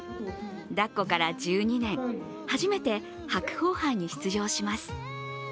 抱っこから１２年初めて白鵬杯に出場します。